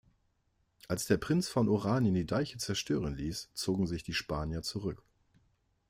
Als der Prinz von Oranien die Deiche zerstören ließ, zogen sich die Spanier zurück.